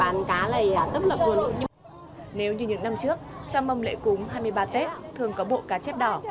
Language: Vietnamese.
nếu như những năm trước trong mông lễ cúng hai mươi ba tết thường có bộ cá chép đỏ